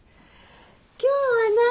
今日は何？